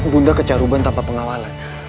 bunda kejar ruban tanpa pengawalan